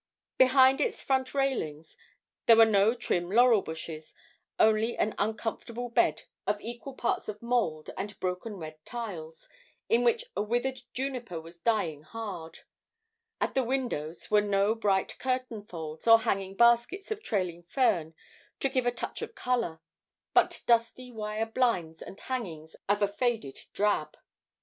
Behind its front railings there were no trim laurel bushes only an uncomfortable bed of equal parts of mould and broken red tiles, in which a withered juniper was dying hard; at the windows were no bright curtain folds or hanging baskets of trailing fern to give a touch of colour, but dusty wire blinds and hangings of a faded drab.